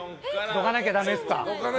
どかなきゃダメですか？